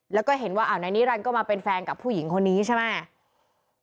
แล้วก็เห็นว่านายนิรันดิก็มาเป็นแฟนกับผู้หญิงคนนี้ใช่ไหม